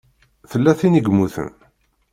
Tella tin i yemmuten?